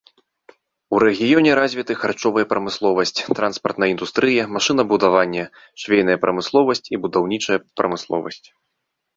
У рэгіёне развіты харчовая прамысловасць, транспартная індустрыя, машынабудаванне, швейная прамысловасць і будаўнічая прамысловасць.